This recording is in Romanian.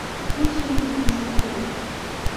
Pur și simplu nu este corect.